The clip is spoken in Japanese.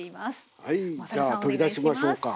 じゃあ取り出しましょうか。